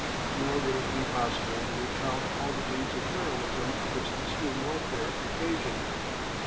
Nor would it be possible to recount all the deeds of heroism which this new warfare occasioned.